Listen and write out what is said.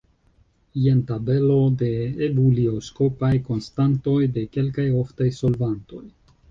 Jen tabelo de ebulioskopaj konstantoj de kelkaj oftaj solvantoj.